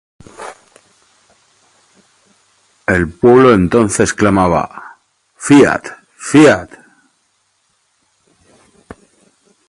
El pueblo entonces clamaba, "Fiat", "fiat"!